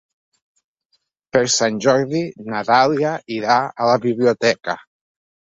Per Sant Jordi na Dàlia irà a la biblioteca.